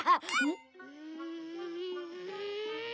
ん。